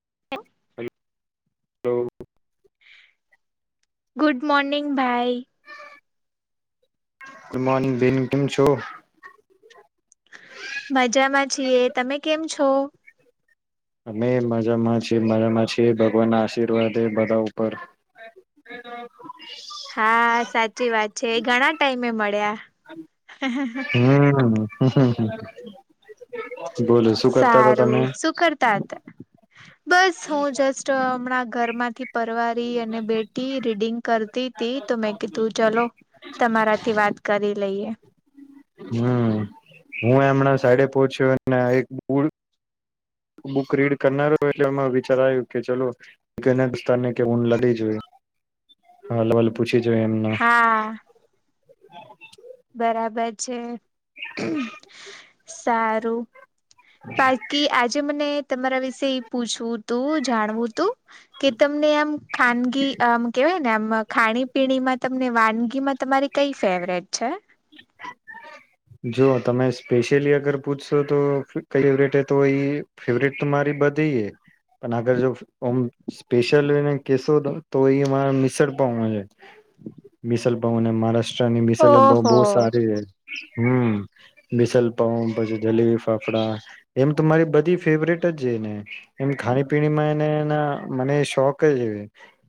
[inaudible] Hello. Good morning ભાઈ. Good morning બહેન, કેમ છો? મજામાં છીએ. તમે કેમ છો? અમે મજામાં છે મજામાં છે ભગવાન ના આશીર્વાદ હે બધા ઉપર. હા સાચી વાત છે એ ઘણા ટાઈમે મળ્યા. હમ્મ. [inaudible] સારુ. શું કરતા હતા? બસ, હું જસ્ટ હમણાં ઘરમાંથી પરવાર [unintelligible] અને બેઠી, રીડિંગ કરતી તી તો મેં કીધું ચલો તમારાથી વાત કરી લઈએ હમ્મ, હું એમણા [unintelligible] સાઈડે પહોંચ્યો અને એક બૂળ બુક રીડ કરનાર હોય એટલે એમાં વિચાર આવ્યું કે ચલો [unintelligible] જો એમના હા બરાબર છે, સારું. બાકી આજે મને તમારા વિશે એ પૂછવું તું, જાણવું તું, કે તમને આમ ખાનગી આમ કેવાય ને આમ ખાણી પીણીમાં તમને વાનગીમાં તમારી કઈ ફેવરેટ છે? જો તમે સ્પેશિયલી અગર પૂછશો તો કઈ ફેવરેટ હે તો એ ફેવરેટ તો મારી બધી હે, પણ આગર જો ઓમ સ્પેશિયલેને કેહેશો તો એ [unintelligible] મિસળપાવ હે, મિસલપાવ ને મહારાસ ષ્ટ્રાની મીસલપાવ ઓહો. બહું સારી હે. હમ, મસલપઉ પછી જલીલી ફાફડા એમ તો મારી બધી ફેવરેટ જ છે. ને એની ખાણી, પીણી માં એને મને શોખ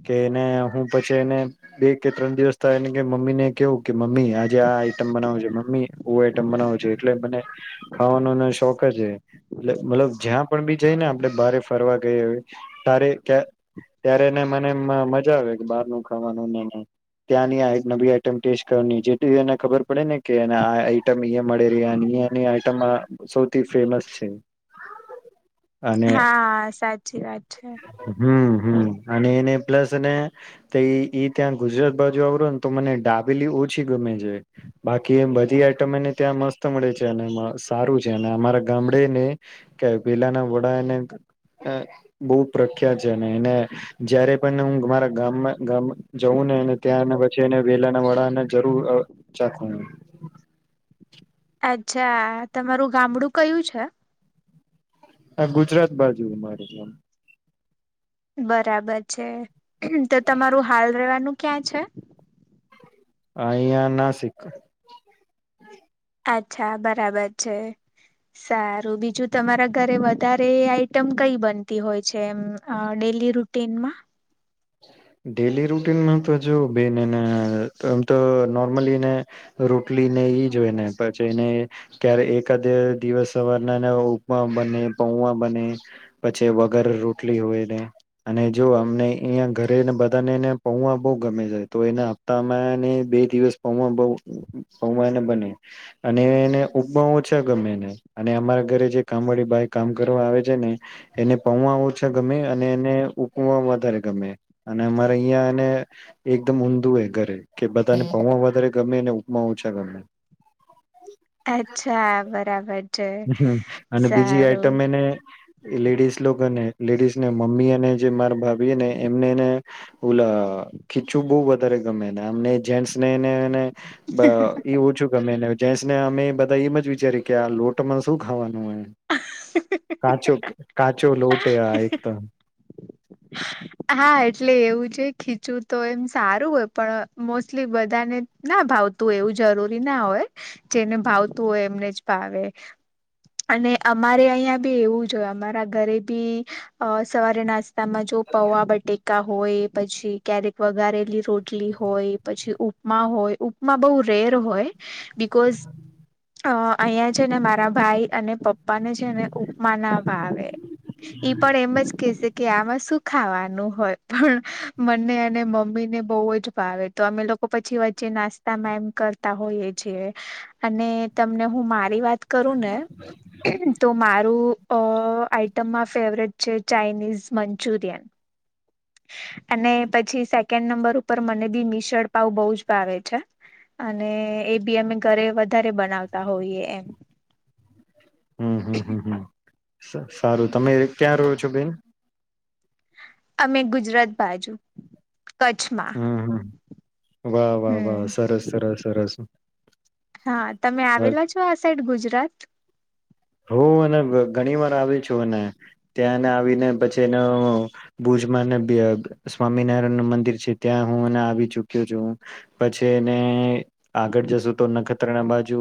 કેને હું પછી એને બે કે ત્રણ દિવસ મમ્મી ને કેવું કે મમ્મી આજે આઈટમ બનાવ જે. મમ્મી એવું આઈટમ બનાવું જે, એટલે મને ખાવાનો શોખ છે. એટ મતલબ જ્યાં પણ બી જઈને આપણે બારે ફરવા ગઈ ત ત્યારે મને મજા આવે બાર ન ખાવાનુંને ત્યાંની આ નવી આઈટ ટેસ્ટ કરવાની જે એને ખબર પડે ને કે [inaudible] મળે નઈ નઈ આઈટમ માં સૌથી ફેમસ છે. અને હા સાચી વાત છે. હમ હમ અને એને પ્લસ ને ત્યાં ગુજરાત બાજુ આવરો ને તો મને ડાબેલી ઓછી ગમે છે. બાકી એમ બધી ત્યા મસ્ત મળે છે અને સારું છે, અને અમારા ગામડે ને કે વેલાના વડાને બહ પ્રખ્યાત છે, એને જયારે પણ હરા ગામ ગ જઉં ને ત્યાં પછી વેલાના વડાને જરૂર ચ અચ્છા, તમારું ગામડું કયું છે? હ. ગુજરાત બાજુ. મારેમ બરાબર છે. તો, તમારું હાલ રવાનું ક્યા છે. અહયા, નાસિક અચ્છા, બરાબર છે. સારું બીજું તમારા ઘરે વધારે આઈટમ કઈ બનતી હોય છે. એમ ડેલી રૂટીનમાં ડેલી રૂટીનમાં તો જો બેન આમ તો નોર્મલીને રોટલી ને ઈ જો હોય ને પછીને, ક્યારે એકાદ દિવસ સવારના ઉપમા બને પઉમાં બને પછી વગર રોટલી હોયને અને જો અમ અં ઘરેને બધાને એને પૌવા બહુ ગમે છે તો એને આપતામાંને બે દિવસ પૌવા બહ પૌવાને બને અને એને ઉપમા ઓછા ગમે ને અને અમારા ઘરે જે કામવાળી ભાઈ કામ કરવા આવે છે, ને એને પૌવા ઓછા ગમે અને એને ઉપ વધારે ગમે અને અમારે અહિયાંને એકદમ ઊંધું એ ઘરે કે બધાને ભાવમાં વધારે ગમેને ઉપમા ઓછા ગમે. અચ્છા બરાબર છે. અને બીજી સારું આઈટમ એને લેડીસ લોકો ને લેડીઝ ને મમ્મી અને જે મારા ભાભી ને એમને એને ઓલા ખીચું બહુ વધારે ગમે ને આમને જેન્ટસ ને એને એને બ એવું છું. ગમે એને જેન્સને અમે બધા એમ જ વિચારી કે આ લોટ એમાં શું ખાવાનું હોય. કાચો કાચ કાચો લોટ. એકદમ હા એટલે એવું છે ખીચવું તો એમ સારું હોય પણ મોસ્ટલી બધાને ના ભાવતું હોય, એવું જરૂરી ના હોય જેને ભાવતું હોય એમને જ ભાવે, અને અમારે અહીં બી એવું જ હોય. અમારા ઘરે બી સવારે નાસ્તામાં જો પવા બટેકા હોય પછી ક્યારેક વગારેલી રોટલી હોય, પછી ઉપમા હોય ઉપમા બહ રેર હોય, બિકઝ અહીયાં છે ને મારા ભાઈ અને પપ્પા ને છે ને ઉપમા ના ભાવે ઈ પણ એમ જ કે છે કે આમાં શું. ખાવાનું હોય પણ મને અને મમ્મીને બહુ જ ભાવે તો અમે લોકો પછી વચ્ચે નાસ્તા મેમ કરતા હોઈએ છી, અને તમને હું મારી વાત કરું ને તો મારું આ તમામાં ફેવરેટ છે. ચાઇનીઝ મંચુરિયન અને પછી સેકન્ડ નંબર ઉપર, મને બી મિશળ પાઉ બહુ જ ભાવે છે. અને એ બી અમે ઘરે વધારે બનાવતા હોઈએ, એમ. હમ, હમ, હમ, હમ. સારું, તમે ક્યાં રહો છો, બેન? અમે ગુજરાત બાજુ. કચ્છમાં. હમ હમ વાહ વાહ વાહ હમ, સરસ સરસ સરસ હા. તમે વાહ, આવેલા છો આ સાઈડ, ગુજરાત? હું. અને ઘણી વાર આવી છું. અને ત્યાંને આવીને પછી, એ ભુજમાં સ્વામિનારાયણ નું મંદિર છે, ત્યાં હું આવી ચુક્યો છું. પછી એને આગળ જશું તો નખ બાજુ,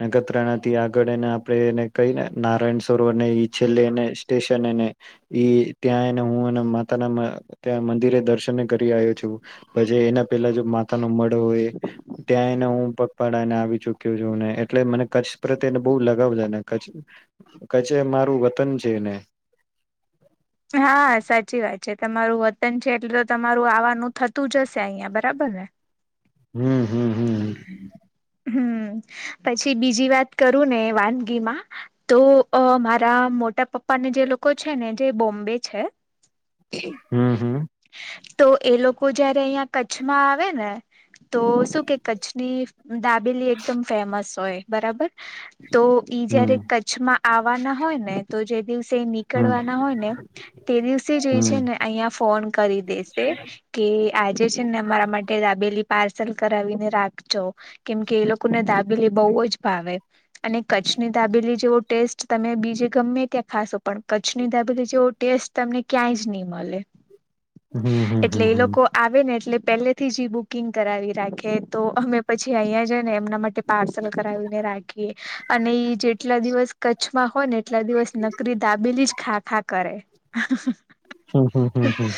નેગત્રથી આગળ, એના આરે, એને, કંઈ નારાયણ સરોવરને છેલ્લે, એને સ્ટેશન, એને ત્યાં, એને હું એ માતાના ત્યાં મંદિરે દર્શન કરી આવ્યો છું. પછી એના પેલા જો માતા ન મળે હોય, ત્યાં એને હું પગપાળાને આવી ચુક્યો છું ને. એટલે મને કચ્છ પ્રત્યેને બહુ લ કેટલા બધાને, કચ્છ, કચ્છ મારુ ગામ છે. હા, સાચી વાત છે. તમારું વતન છે, એટલે તો તમારું આવાનું થતું જ હશે અહિયાં. બરાબર ને? હમ. હમ હમ [unintelligible] હમ, પછી બીજી વાત કરું ને. વાનગીમાં તો મારા મોટા પપ્પાને જે લોકો છે ને, જે બોમ્બે છે. હમ, હમ. તો એ લોકો જયારે અહિયાં કચ્છમાં આવે ને, તો શું કે કચ્છની દાબેલી એકદમ ફેમસ હોય. બરાબર? તો ઈ હમ જયારે કચ્છમાં આવવાના હોય ને. તો જે દિવસ. જે હમ હમ નીકળવાના હોય ને, તે દિવસે છે ને, અઈયા ફોન કરી દેશે કે, આજે છે ને, અમારા માટે દાબેલી પાર્સલ કરાવીને રાખજો, કેમકે એ લોકોને દાબેલી બોઉ જ ભાવે. અને કચ્છની દાબેલી જેવો ટેસ્ટ તમે બીજે ગમે ત્યાં ખાશો, પણ કચ્છની દાબેલી જેવો ટેસ્ટ તમને ક્યાંય જ નઈ મળે. હમ હમ હમ હમ હમ હમ હમ હમ હમ હમ હમ હમ હમ હમ હમ હમ હમ હમ હમ એટલે એ લોકો આવે ને, એટલે પેલેથી જ બુકિંગ કરાવી રાખે, તો અમે પછી અહીંયા જાય ને, એમના માટે પાર્સલ પેલા કરાવીને રાખીએ‌. અને જેટલા દિવસ કચ્છમાં હોય ને, એટલા દિવસ નકરી દાબેલી જ ખા, ખા કરે. [unintelligible] હમ, હમ, હમ, હમ.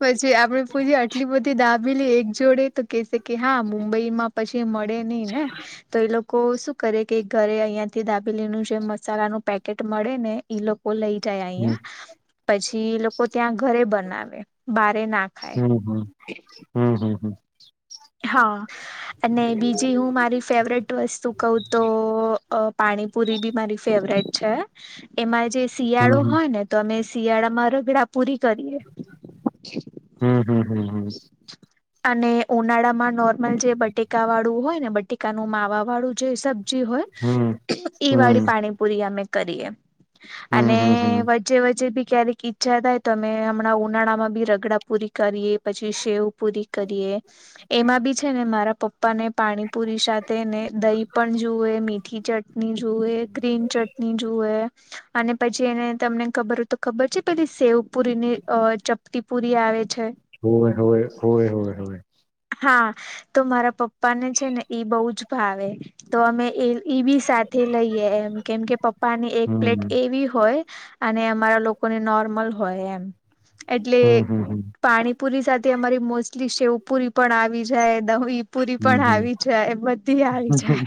પછી આપડે પૂછીએ, આટલી બધી દાબીલી એક જોડે? તો કેસે કે, હા, મુંબઈમાં પછી મળે નઈ ને. તો એ લોકો શું કરે કે, ઘરે અહિયાંથી દાબેલીનું જે મસાલાનું પેકેટ મળે ને, એ લો કો લઈ જાય અહીંયા? પછી એ લોકો ત્યાં ઘરે બનાવે. બારે ના ખાય હમ, હમ, હમ, હમ, હમ. [unintelligible] હા, અને બીજી હું મારી ફેવરેટ વસ્તુ કેવ તો, પાણીપુરી ભી મારી ફેવરેટ છે. એમાં જે શિયાળો હોય ને તો અમે સિયાડા મા રગડા પૂરી કરીએ. હમ્મ, હમ્મ. અને ઉનાળા માં નોર્મલ જે બટેકા વાળું હોય ને બટેકાનું માવા વાળું જે સબ જે હોય ઈ હમ વાળી પાણીપુરી અમે કરીએ. હમ અને હમ હમ વચ્ચે વચ્ચે ભી ક્યારેક ઈચ્છા થાય તો અમે હમણાં ઉનાળા માં ભી રગડા પૂરી કરીએ પછી શેવ પૂરી કરીએ એમાં બી છે ને મારા પપ્પા ને પાણીપુરી સાથેને દહી પણ જુએ, મીઠી ચટણી જુએ, ગ્રીન ચટણી જુએ અને પછી એને તમને ખબર હોય તો ખબર છે પેલી સેવ પુરી ની અ ચપતી પુરી આવે છે. હોવે, હોવે, હોવે, હોવે, હોવે. હા તો મારા પપ્પ પા ને છે ને એબોઉ જ ભાવે. તો અમે એ એ બી સાથે લઈએ એમ કેમ કે પપ્પા ને એક હમ પ્લેટ એવી હોય અને અમારા લોકોને નોર્મલ હોય એમ. એટલે હમ હમ હમ હમ પાણીપુરી સાથે અમારી મોસ્ટલી શેવ પુરી પણ આવી જાય, દવી પુરી પણ આવી જાય, બધી આવી જાય.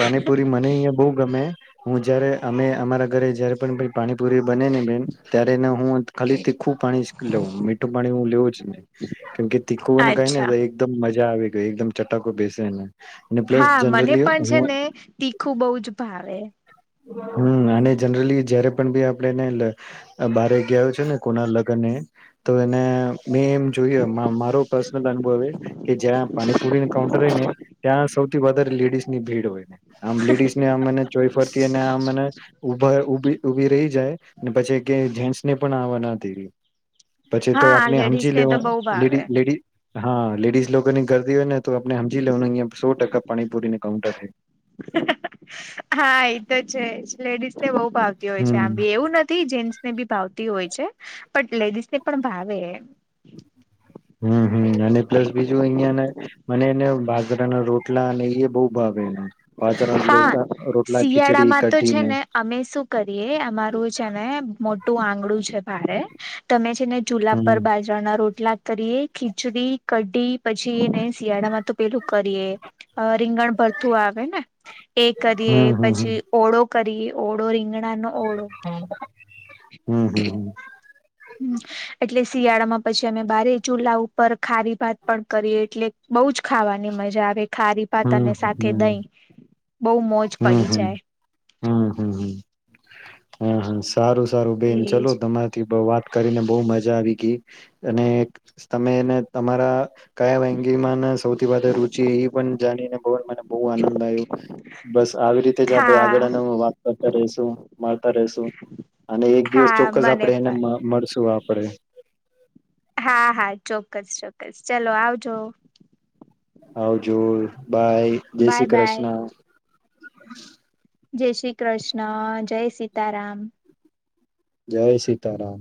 પાણીપુરી મને અહિયાં બહુ ગમે હું જયારે અમે અમારા ઘરે જયારે પણ પાણીપુરી મને હેને બેન ત્યારેને હું ખાલી તીખું પાણી લઉ મીઠું પાણી હું લેવું જ નહી. કેમકે તીખું મને કઈ ન અચ્છા થાય મજા આવી ગઈ એકદમ ચટાકો બેસે ને. અને પ્લસ હા મને જનરલી પણ છે હું ને તીખું બહુ જ ભાવે. વે. હમ્મ અને જનરલી જયારે પણ બી આપડે એને બારે ગયા છે ને કોના લગ્ન એ તો એને મેં એમ જોયું મારો પર્સનલ અનુભવ હે કે જ્યાં પાણીપુરી કાઉન્ટર હોય ને ત્યાં સૌથી વધારે લેડીઝ ની ભીડ હોય. આમ લેડીસને આમ ચોઈ કે ને આ મને ઉભા ઉભી ઉભી રહી જાય ને પછી કે જેન્ટ્સને પણ આવવા ના દે. પછી તો હા આપને સમજી લેડીઝ ને તો લેવાનું બહુ લેડીઝ ભાવે લેડી હા, લેડીઝ લોકોની કરદી હોય ને તો આપણે હમજી લેવાનું કે સો ટકા પાણીપૂરીને કાઉન્ટર હે. હા એ તો છે લેડીસ તે બહુ ભાવતી હોય છે હમ આમી એવું નથી જેન્ટ્ સ ને બી ભાવતી હોય છે પણ લેડીઝ ને પણ ભાવે. હમ્મ, હમ્મ, અને પ્લસ બીજું અહિયાંને મને એને બાાજરાના રોટલા અને એ બહુ ભાવે. બાજરાના હા, રોટલા રોટલા ખીચડી શિયાળામાં તો છે કઢીને ને અમે શું કરીએ અમારું છે ને મો ટુ આંગળું છે બારે તમે છે ને ચૂલા પર હમ બાજરાના રોટ લા કરિએ. ખીચડી, કઢી પછીને શિયાળામાં તો પેલું કરીએે રીંગણ ભરતું આ વે ને હમ કરીએ હમ પછી ઓળો કરીએ ઓડો રીંગણાંનો હમ્મ. હમ્મ હમ્મ હમ્મ. હમ્મ એટલે શિયાળામાં પછી અમે બારેય ચૂલા ઉપર ખારી ભાત પણ કરીએ એટલે બઉ જ ખાવાની મજા આવે. ખારી ભાત હમ્મ, અને સાથે હમ્મ, હમ્મ, દહીં બહુ મોજ પડી હમ્મ, જાય હમ્મ, હમ્મ, હમ્મ [inaudible] સારું સારું બેન એજ ચલો તમારીથી બવ વાત કરીને બહુ મજા આવી ગઈ. અને એક તમે એને તમારા કયા વાંગી માંને સૌથી વધારે રુચિત પણ જાણીને બવ મને બહુ આનંદ આયવો બસ આવી રીતે જ આપણે આગળને હા હ વાત કરતા રેસું મળતા રેસુ અને એક દિવસ હા ચોક્કસ મને આપણે એને પણ મ મળશું આપડે. હા હા ચોક્કસ ચોક્કસ ચલો આવજો. આવજો. બાય જય બાય શ્રી બાય કૃષ્ણ. [inaudible] જય શ્રી કૃષ્ણ જય સીતારામ જય સીતારામ